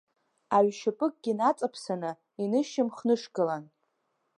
Аҩшьапыкгьы наҵаԥсаны инышьамхнышгылан…